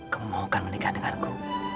kamu mahukan menikah denganku